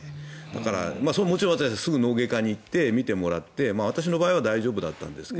だからそれはもちろん私はすぐ脳外科に行って診てもらって、私の場合は大丈夫だったんですが。